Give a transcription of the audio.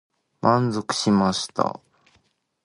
満足しました。